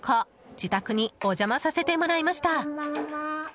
自宅にお邪魔させてもらいました。